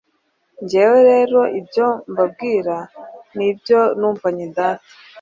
Njyewe rero ibyo mbabwira ni ibyo numvanye data.”